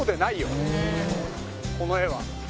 この画は。